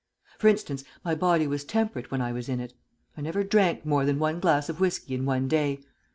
For instance, my body was temperate when I was in it. I never drank more than one glass of whiskey in one day.